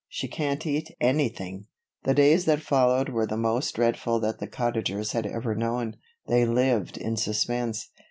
"She can't eat anything." The days that followed were the most dreadful that the Cottagers had ever known. They lived in suspense.